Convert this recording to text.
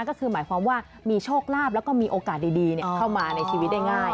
ก็คือหมายความว่ามีโชคลาภแล้วก็มีโอกาสดีเข้ามาในชีวิตได้ง่าย